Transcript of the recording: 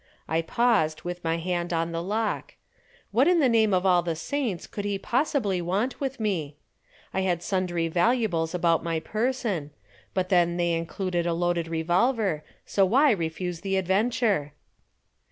I paused with my hand on the lock. What in the name of all the saints could he possibly want with me? I had sundry valuables about my person, but then they included a loaded revolver, so why refuse the adventure?